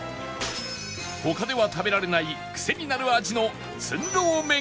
他では食べられないクセになる味の葱肉麺か